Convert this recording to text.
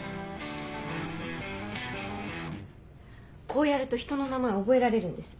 こうやるとひとの名前覚えられるんです。